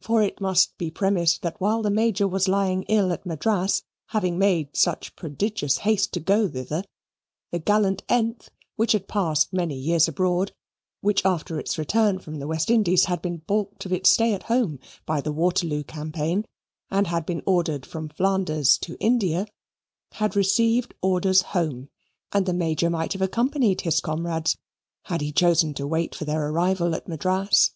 For it must be premised that while the Major was lying ill at Madras, having made such prodigious haste to go thither, the gallant th, which had passed many years abroad, which after its return from the West Indies had been baulked of its stay at home by the Waterloo campaign, and had been ordered from Flanders to India, had received orders home; and the Major might have accompanied his comrades, had he chosen to wait for their arrival at Madras.